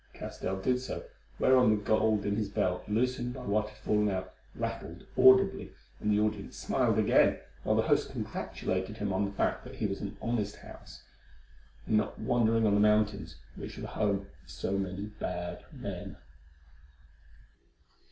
Castell did so, whereon the gold in his belt, loosened by what had fallen out, rattled audibly, and the audience smiled again, while the host congratulated him on the fact that he was in an honest house, and not wandering on the mountains, which were the home of so many bad men.